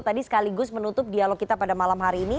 tadi sekaligus menutup dialog kita pada malam hari ini